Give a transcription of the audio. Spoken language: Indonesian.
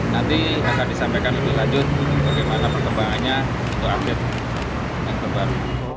nanti akan disampaikan lebih lanjut bagaimana perkembangannya untuk update yang terbaru